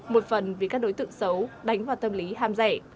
một phần vì các đối tượng xấu đánh vào tâm lý ham rẻ